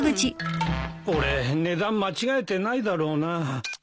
俺値段間違えてないだろうな。